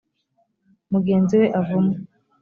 mugenzi we avumwe .